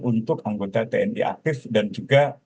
untuk anggota tni aktif dan juga